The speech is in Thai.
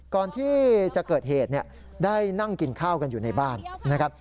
ก่อนที่จะเกิดเหตุเนี่ยได้นั่งกินข้าวกันอยู่ในบ้านนะครับ